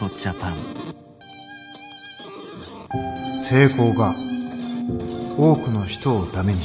成功が多くの人を駄目にした。